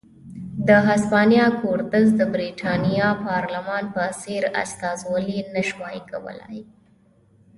د هسپانیا کورتس د برېټانیا پارلمان په څېر استازولي نه شوای کولای.